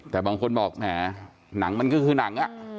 แต่บางคนบอกแหมหนังมันก็คือหนัง